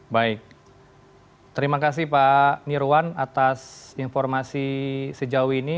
baik terima kasih pak nirwan atas informasi sejauh ini